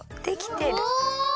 できてる！